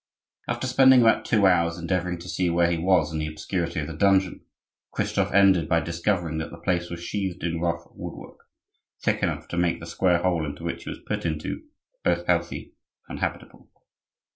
After spending about two hours endeavoring to see where he was in the obscurity of the dungeon, Christophe ended by discovering that the place was sheathed in rough woodwork, thick enough to make the square hole into which he was put both healthy and habitable.